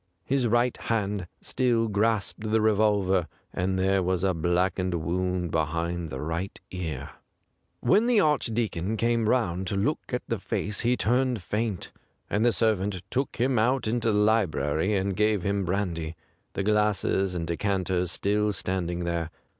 His right hand still grasped the revolver, and there was a blackened wound behind the right ear. When the Archdeacon came round to look at the face he turned faint, and the servant took him out into the library and gave him brandy, the glasses and decanters still stand ing there.